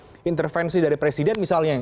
ada intervensi dari presiden misalnya